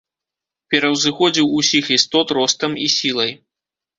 Пераўзыходзіў усіх істот ростам і сілай.